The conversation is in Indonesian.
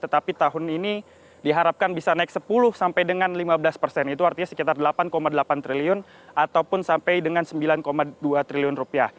tetapi tahun ini diharapkan bisa naik sepuluh sampai dengan lima belas persen itu artinya sekitar delapan delapan triliun ataupun sampai dengan sembilan dua triliun rupiah